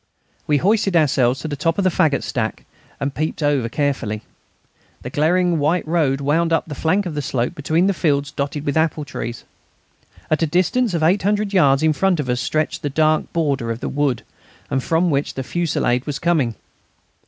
We hoisted ourselves to the top of the faggot stack and peeped over carefully. The glaring white road wound up the flank of the slope between fields dotted with apple trees. At a distance of 800 yards in front of us stretched the dark border of the wood, from which the fusillade was coming.